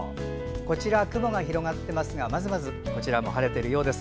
こちら、雲が広がっていますがまずまずこちらも晴れているようです。